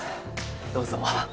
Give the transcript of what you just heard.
どうぞ。